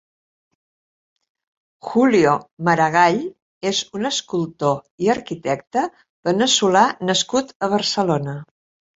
Julio Maragall és un escultor i arquitecte veneçolà nascut a Barcelona.